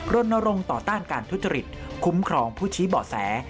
รณรงค์ต่อต้านการทุจริตคุ้มครองผู้ชี้เบาะแส